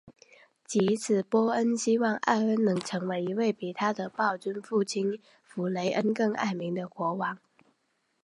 藉此波恩希望艾恩能成为一位比他的暴君父亲弗雷恩更爱民的国王。